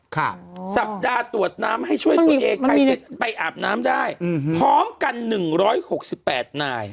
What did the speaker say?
สัปดาห์ตรวจน้ำให้ช่วยตัวเองใครไปอาบน้ำได้อืมพร้อมกันหนึ่งร้อยหกสิบแปดนาย